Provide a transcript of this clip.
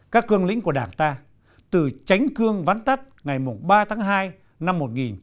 các cương lĩnh của đảng ta từ chánh cương ván tắt ngày ba tháng hai năm một nghìn chín trăm một mươi